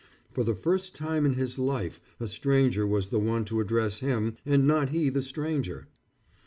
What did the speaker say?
For the first time in his life a stranger was the one to address him and not he the stranger.